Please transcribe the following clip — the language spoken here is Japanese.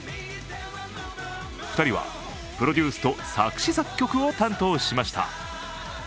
２人はプロデュースと作詞作曲を担当しました。